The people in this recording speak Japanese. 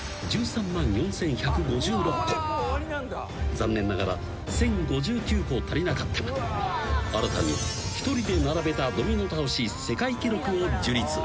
［残念ながら１，０５９個足りなかったが新たに一人で並べたドミノ倒し世界記録を樹立］